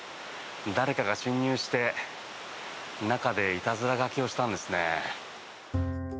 誰かが侵入して、中でいたずら書きをしたんですね。